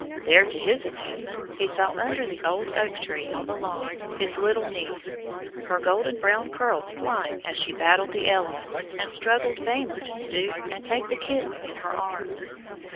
There, to his amazement, he saw, under the old oak tree on the lawn, his little niece, her golden brown curls flying as she battled with the elements, and struggled vainly to stoop and take the kitten in her arms.